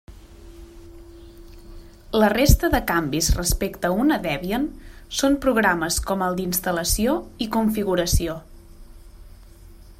La resta de canvis respecte a una Debian són programes com el d'instal·lació i configuració.